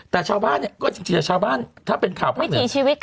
แต่ชาวบ้านเนี่ยก็จริงชาวบ้านถ้าเป็นข่าวภาคเหนือ